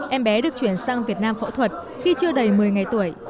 em bé được chuyển sang việt nam phẫu thuật khi chưa đầy một mươi ngày tuổi